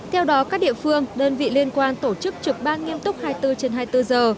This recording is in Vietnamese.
theo đó các địa phương đơn vị liên quan tổ chức trực ban nghiêm túc hai mươi bốn trên hai mươi bốn giờ